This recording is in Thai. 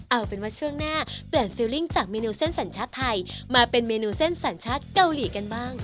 เอาเป็นว่าช่วงหน้าเปลี่ยนฟิลลิ่งจากเมนูเส้นสัญชาติไทยมาเป็นเมนูเส้นสัญชาติเกาหลีกันบ้าง